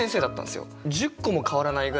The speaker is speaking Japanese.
１０個も変わらないぐらい。